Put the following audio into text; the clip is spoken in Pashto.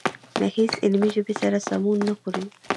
له هېڅ علمي ژبې سره سمون نه خوري.